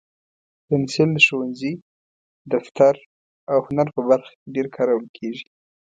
پنسل د ښوونځي، دفتر، او هنر په برخه کې ډېر کارول کېږي.